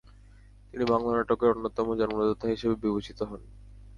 তিনি বাংলা নাটকের অন্যতম জন্মদাতা হিসাবে বিবেচিত হন।